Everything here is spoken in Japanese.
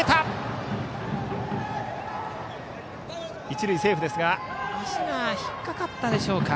一塁、セーフですが足が引っかかったでしょうか。